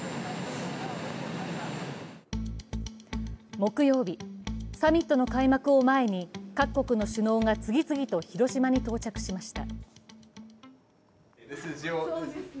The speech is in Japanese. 木曜日、サミットの開幕を前に各国の首脳が次々と広島に到着しました。